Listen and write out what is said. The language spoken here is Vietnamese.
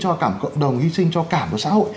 cho cả cộng đồng hy sinh cho cả một xã hội